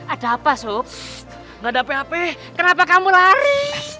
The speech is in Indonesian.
ada apa sup nggak dapet kenapa kamu lari